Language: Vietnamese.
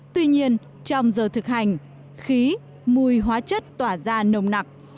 tuy nhiên trong giờ thực hành khí mùi hóa chất tỏa ra nồng nặc